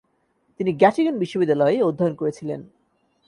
তিনি গ্যটিঙেন বিশ্ববিদ্যালয়ে অধ্যায়ন করেছিলেন।